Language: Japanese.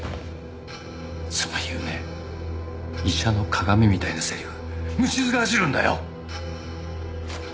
そういうね医者の鑑みたいなセリフ虫ずが走るんだよ！